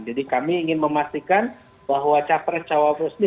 jadi kami ingin memastikan bahwa catres cawapres ini